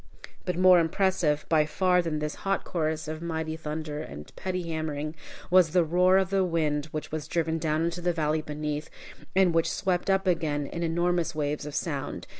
But more impressive by far than this hot chorus of mighty thunder and petty hammering, was the roar of the wind which was driven down into the valley beneath, and which swept up again in enormous waves of sound.